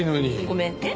ごめんね。